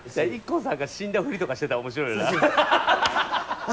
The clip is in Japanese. ＩＫＫＯさんが死んだふりとかしてたら面白いよな。